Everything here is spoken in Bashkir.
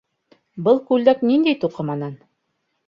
Был күлдәк ниндәй туҡыманан?